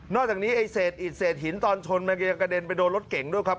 จากนี้ไอ้เศษอิดเศษหินตอนชนมันกระเด็นไปโดนรถเก่งด้วยครับ